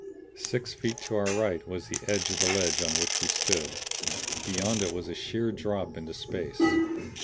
Six feet to our right was the edge of the ledge on which we stood; beyond it was a sheer drop into space.